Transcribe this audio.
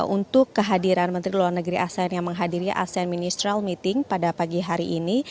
untuk kehadiran menteri luar negeri asean yang menghadiri asean ministerial meeting pada pagi hari ini